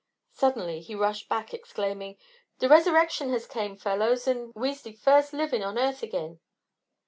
Suddenly he rushed back, exclaiming: "De Resurrection has came, fellows, an' wese de first livin' on earth agin."